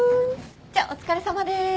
じゃあお疲れさまです。